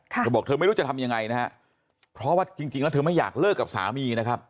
เธอบอกเธอไม่รู้จะทำยังไงนะฮะเพราะว่าจริงแล้วเธอไม่อยากเลิกกับสามีนะครับ